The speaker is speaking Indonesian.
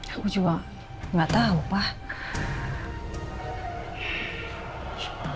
aku cuma nggak tahu pak